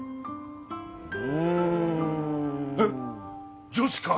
うんえっ女子か？